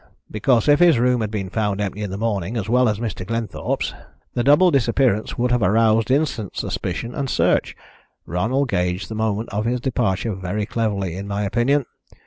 "Because if his room had been found empty in the morning, as well as that of Mr. Glenthorpe's, the double disappearance would have aroused instant suspicion and search. Ronald gauged the moment of his departure very cleverly, in my opinion.